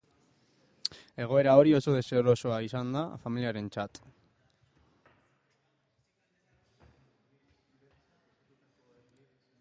Egoera hori oso deserosoa izango da familiarentzat.